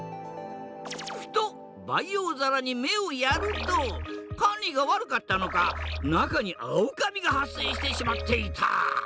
ふと培養皿に目をやると管理が悪かったのか中にアオカビが発生してしまっていた。